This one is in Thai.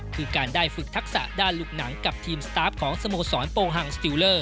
คือการได้ฝึกทักษะด้านลูกหนังกับทีมสตาฟของสโมสรโปฮังสติลเลอร์